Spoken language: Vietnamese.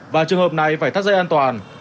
và trường hợp này phải thắt dây an toàn